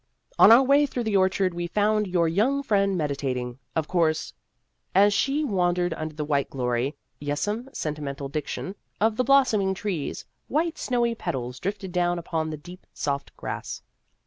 On our way through the orchard, we found your young friend meditating of course as she wan dered under the white glory (yes 'm, senti mental diction) of the blossoming trees, while snowy petals drifted down upon the deep soft grass.